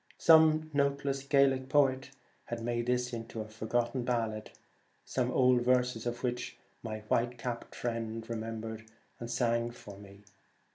Some noteless Gaelic poet had made this into a forgotten ballad, some odd verses of which my white capped friend remembered and sang for me.